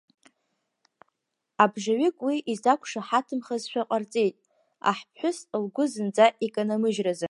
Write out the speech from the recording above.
Абжаҩык уи изақәшаҳаҭымхазшәа ҟарҵеит, аҳԥҳәыс лгәы зынӡа иканамыжьразы.